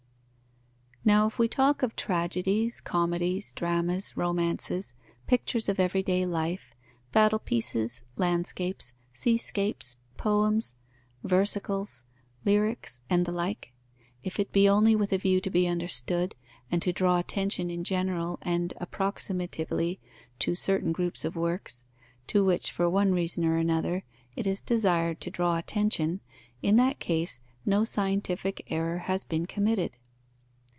_ Now if we talk of tragedies, comedies, dramas, romances, pictures of everyday life, battle pieces, landscapes, seascapes, poems, versicles, lyrics, and the like, if it be only with a view to be understood, and to draw attention in general and approximatively to certain groups of works, to which, for one reason or another, it is desired to draw attention, in that case, no scientific error has been committed.